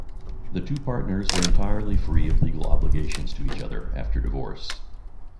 The two partners were entirely free of legal obligations to each other after divorce.